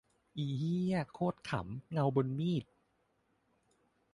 อีเหี้ย โคตรขรรม เงาบนมีด